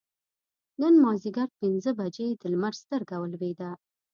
نن مازدیګر پینځه بجې د لمر سترګه ولوېده.